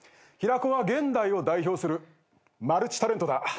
平子は現代を代表するマルチタレントだ。